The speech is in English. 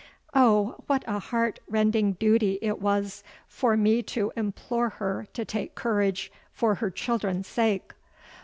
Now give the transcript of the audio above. Oh! what a heart rending duty it was for me to implore her to take courage for her children's sake!